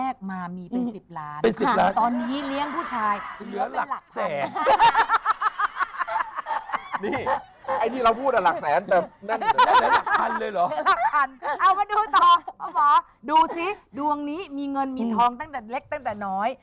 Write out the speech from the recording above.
เอามาดูต่อหมอดูซิดวงนี้มีเงินมีทองตั้งแต่เล็กตั้งแต่น้อย